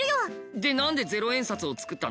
でなんで「零円札」を作ったの？